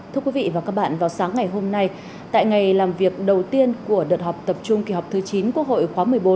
thưa quý vị và các bạn vào sáng ngày hôm nay tại ngày làm việc đầu tiên của đợt họp tập trung kỳ họp thứ chín quốc hội khóa một mươi bốn